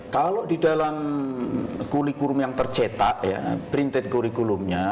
kalau di dalam curriculum yang tercetak ya printed curriculum nya